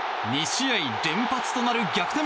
２試合連発となる逆転